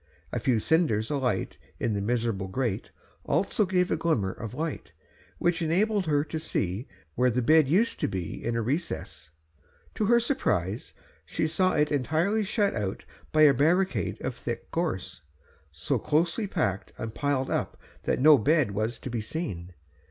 A few cinders alight in the miserable grate also gave a glimmer of light, which enabled her to see where the bed used to be, in a recess. To her surprise she saw it entirely shut out by a barricade of thick gorse, so closely packed and piled up that no bed was to be seen.